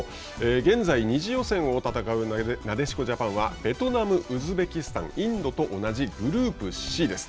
現在、２次予選を戦うなでしこジャパンはベトナム、ウズベキスタンインドと同じグループＣです。